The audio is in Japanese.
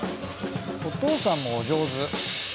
お父さんもお上手。